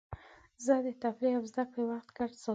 زه د تفریح او زدهکړې وخت ګډ ساتم.